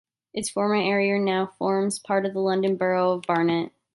Its former area now forms part of the London Borough of Barnet.